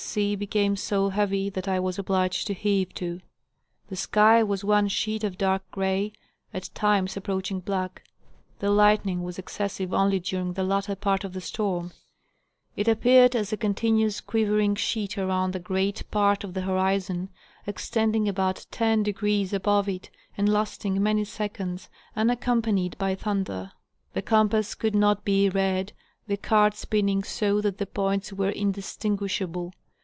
sea became so heavy that I was obliged to heave to. The sky was one sheet of dark gray, at times approaching black. The lightning was excessive only during the latter part of the storm ; it appeared as a continuous quivering sheet around a great part of the horizon, extending about 10° above it and lasting many seconds, unaccompanied by thunder; the compass could not be read, the card spinning so that the points were indistinguishable.